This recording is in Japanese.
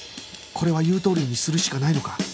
これは言うとおりにするしかないのか？